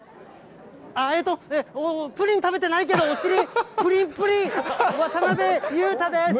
えっと、プリン食べてないけど、お尻ぷりんぷりん、渡辺裕太です。